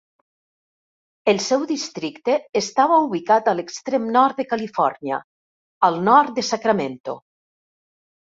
El seu districte estava ubicat a l'extrem nord de Califòrnia, al nord de Sacramento.